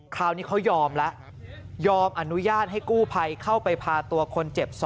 คราวนี้เขายอมแล้วยอมอนุญาตให้กู้ภัยเข้าไปพาตัวคนเจ็บ๒